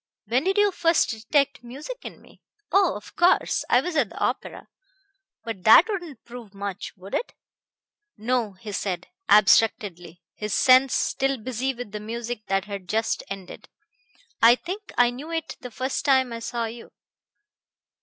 "When did you first detect music in me? Oh, of course! I was at the opera. But that wouldn't prove much, would it?" "No," he said, abstractedly, his sense still busy with the music that had just ended. "I think I knew it the first time I saw you."